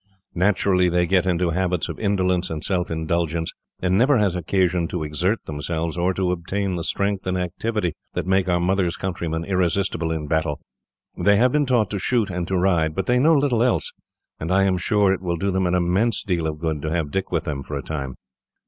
Naturally, they get into habits of indolence and self indulgence, and never have occasion to exert themselves, or to obtain the strength and activity that make our mother's countrymen irresistible in battle. They have been taught to shoot and to ride, but they know little else, and I am sure it will do them an immense deal of good to have Dick with them, for a time.